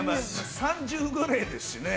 ３０ぐらいですしね。